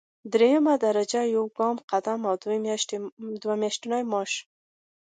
دریمه درجه یو کال قدم او دوه میاشتې معاش.